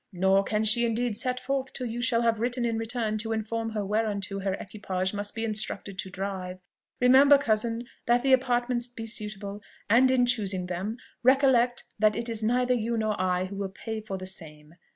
Nor can she indeed set forth till you shall have written in return to inform her whereunto her equipage must be instructed to drive. Remember, cousin, that the apartments be suitable; and in choosing them recollect that it is neither you nor I who will pay for the same.